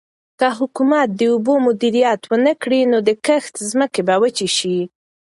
که حکومت د اوبو مدیریت ونکړي نو د کښت ځمکې به وچې شي.